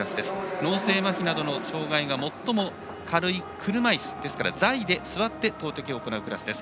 脳性まひなどの障がいが最も軽い車いすですから座位で座って投てきを行うクラスです。